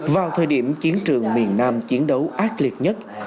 vào thời điểm chiến trường miền nam chiến đấu ác liệt nhất